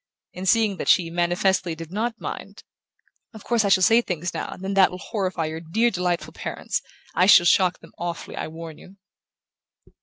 and, seeing that she manifestly did not mind: "Of course I shall say things now and then that will horrify your dear delightful parents I shall shock them awfully, I warn you."